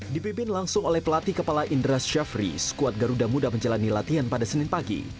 dipimpin langsung oleh pelatih kepala indra syafri skuad garuda muda menjalani latihan pada senin pagi